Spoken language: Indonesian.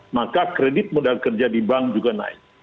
maka kredit modal kerja di bank juga naik